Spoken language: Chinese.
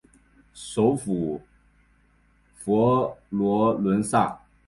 首府佛罗伦萨。